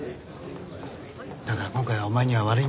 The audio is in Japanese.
だから今回はお前には悪いんだけど。